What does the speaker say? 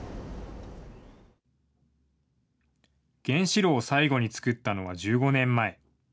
原子炉を最後に作ったのは１５年前。